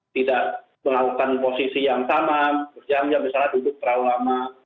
tidak melakukan posisi yang sama berjam jam misalnya duduk terlalu lama